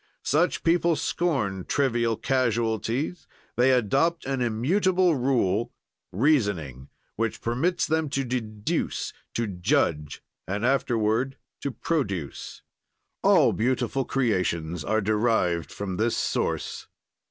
"Such people scorn trivial casualties; they adopt an immutable rule, reasoning, which permits them to deduce, to judge, and afterward to produce. "All beautiful creations are derived from this source.